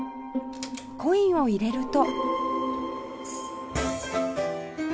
コインを入れると